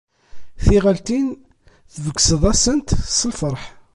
Tiɣaltin, tbegseḍ-asent s lferḥ.